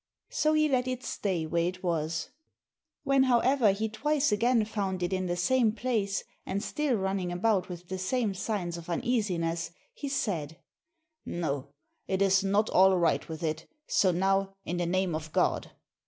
So he let it stay where it was. When, however, he twice again found it in the same place, and still running about with the same signs of uneasiness, he said "No, it is not all right with it, so now, in the name of God."